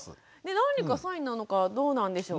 何かサインなのかどうなんでしょう。